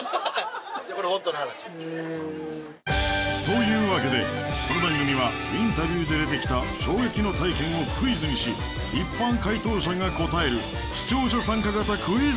というわけでこの番組はインタビューで出てきた衝撃の体験をクイズにし一般解答者が答える視聴者参加型クイズ番組